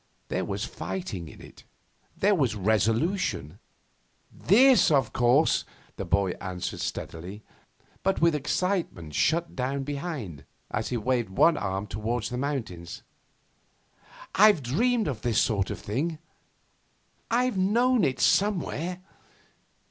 There was fighting in it. There was resolution. 'This, of course,' the boy answered steadily, but with excitement shut down behind, as he waved one arm towards the mountains. 'I've dreamed this sort of thing; I've known it somewhere.